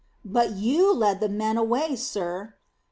"But you led the men away, sir."